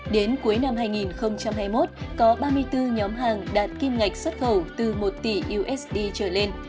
đến cuối năm hai nghìn hai mươi một có ba mươi bốn nhóm hàng đạt kim ngạch xuất khẩu từ một tỷ usd trở lên